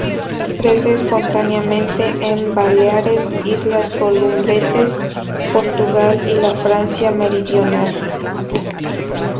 Crece espontáneamente en Baleares, Islas Columbretes, Portugal y la Francia meridional.